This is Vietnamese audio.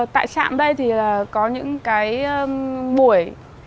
tại trạm đây thì có những cái buổi